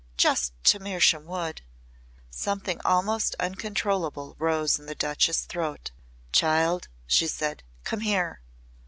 Just to Mersham Wood!" Something almost uncontrollable rose in the Duchess' throat. "Child," she said. "Come here!"